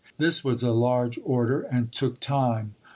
This was a large order and took time.